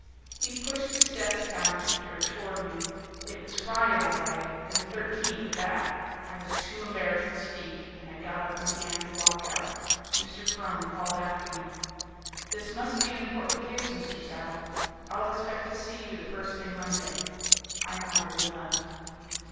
He pushed his desk calendar toward me. It was Friday all right, and the thirteenth at that. I was too embarrassed to speak, and I got up and began to walk out. Mr. Krome called after me. "This must be an important case, Mr. Saddle. I'll expect to see you the first thing Monday." I nodded, and left.